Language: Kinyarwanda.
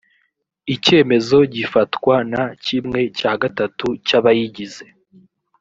icyemezo gifatwa na kimwe cya gatatu cy’abayigize